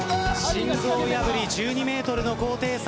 心臓破り１２ｍの高低差。